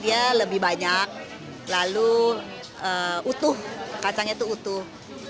jadi kacangnya lebih banyak lalu utuh kacangnya itu utuh